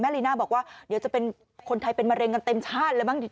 ลีน่าบอกว่าเดี๋ยวจะเป็นคนไทยเป็นมะเร็งกันเต็มชาติเลยบ้างดี